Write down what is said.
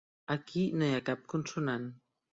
Aquí no hi ha cap consonant.